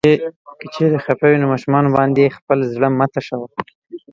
که چيرې خفه وې نو ماشومانو باندې خپل زړه مه تشوه.